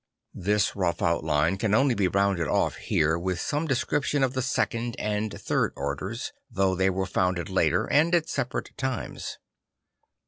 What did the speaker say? This rough outline can only be rounded off here with some description of the Second and Third Orders, though they were founded later and at separate times.